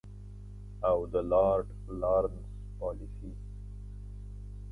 او د لارډ لارنس پالیسي.